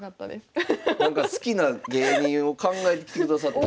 好きな芸人を考えてきてくださってる。